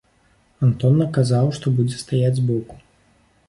Антон наказаў, што будзе стаяць з боку.